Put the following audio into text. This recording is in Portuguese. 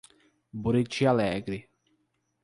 Buriti Alegre